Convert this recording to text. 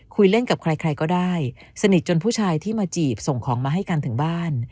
เล่นกับใครใครก็ได้สนิทจนผู้ชายที่มาจีบส่งของมาให้กันถึงบ้าน